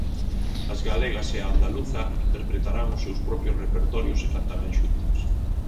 As galegas e a andaluza interpretarán os seus propios repertorios e cantarán xuntas.